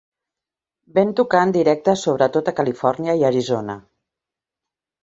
Ven tocar en directe sobretot a Califòrnia i Arizona.